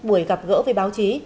buổi gặp gỡ với báo chí